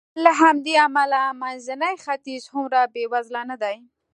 له همدې امله منځنی ختیځ هومره بېوزله نه دی.